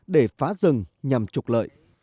để phát rừng nhằm trục lợi